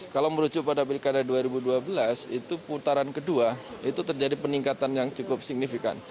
kalau merujuk pada pilkada dua ribu dua belas itu putaran kedua itu terjadi peningkatan yang cukup signifikan